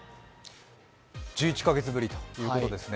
１１カ月ぶりということですね。